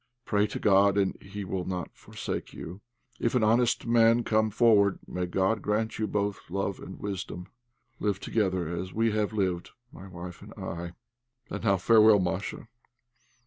Pray to God, and He will not forsake you. If an honest man come forward, may God grant you both love and wisdom. Live together as we have lived, my wife and I. And now farewell, Masha.